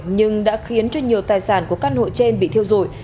nhưng đã khiến cho nhiều tài sản của căn hộ trên bị thiêu dụi